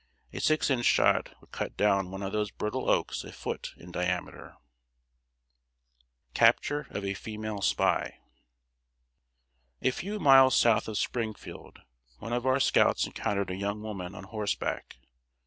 A six inch shot would cut down one of these brittle oaks a foot in diameter. [Sidenote: CAPTURE OF A FEMALE SPY.] A few miles south of Springfield one of our scouts encountered a young woman on horseback.